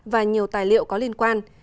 và nhiều tài liệu có liên quan